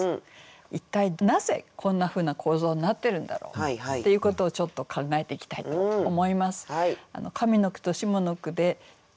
一体なぜこんなふうな構造になってるんだろうっていうことをちょっと考えていきたいと思います。